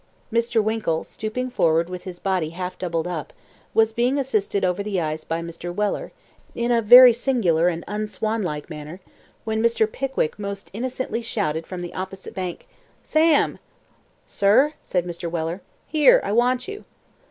Mr. Winkle, stooping forward with his body half doubled up, was being assisted over the ice by Mr. Weller, in a very singular and un swan like manner, when Mr. Pickwick most innocently shouted from the opposite bank "Sam!" "Sir?" said Mr. Weller. "Here. I want you."